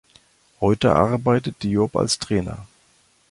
Heute arbeitet Diop als Trainer.